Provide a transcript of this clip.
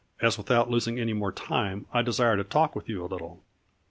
as without losing any more time, I desire to talk with you a little.